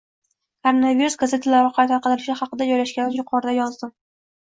Koronavirus gazetalari orqali tarqatilishi haqida jozishganini juqorida yozdim